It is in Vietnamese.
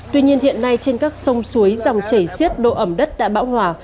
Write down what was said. tuy nhiên hiện nay trên các sông suối dòng chảy xiết độ ẩm đất đã bão hòa